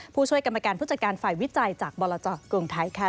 ผู้ช่วยกรรมการผู้จัดการฝ่ายวิจัยจากบรจกรุงไทยค่ะ